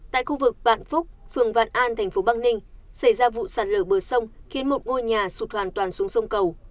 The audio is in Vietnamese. tại khu vực vạn phúc phường vạn an tp bắc ninh xảy ra vụ sạt lở bờ sông khiến một ngôi nhà sụt hoàn toàn xuống sông cầu